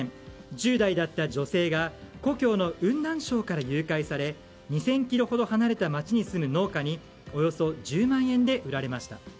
１０代だった女性が故郷の雲南省から誘拐され２０００ｋｍほど離れた町に住む農家におよそ１０万円で売られました。